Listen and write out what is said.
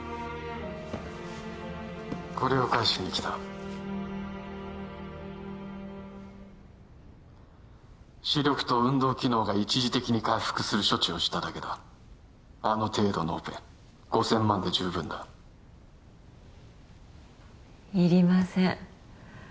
これを返しにきた視力と運動機能が一時的に回復する処置をしただけだあの程度のオペ５千万で十分だいりません